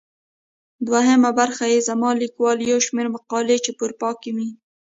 دوهمه برخه يې زما ليکوال يو شمېر مقالې چي په اروپا کې مي.